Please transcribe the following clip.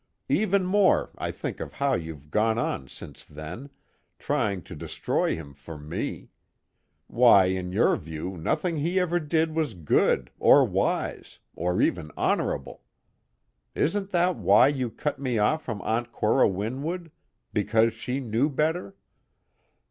Even more I think of how you've gone on since then, trying to destroy him for me why, in your view nothing he ever did was good, or wise, or even honorable. Isn't that why you cut me off from Aunt Cora Winwood because she knew better?